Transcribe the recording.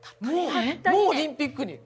もうオリンピックに。